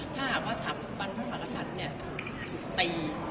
ถ้าหากว่าสถาบันพระมหากษัตริย์ถูกตี